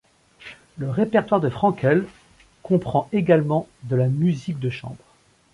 Le répertoire de Frankl comprend également de la musique de chambre.